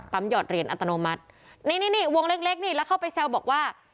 หยอดเหรียญอัตโนมัตินี่นี่วงเล็กเล็กนี่แล้วเข้าไปแซวบอกว่า